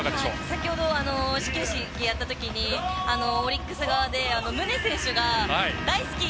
先ほど始球式やったときにオリックス側で、宗選手が大好き！